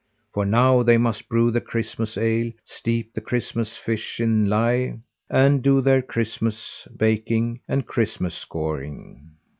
For now they must brew the Christmas ale, steep the Christmas fish in lye, and do their Christmas baking and Christmas scouring.